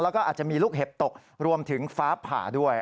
แล้วก็อาจจะมีลูกเห็บตกรวมถึงฟ้าผ่าด้วย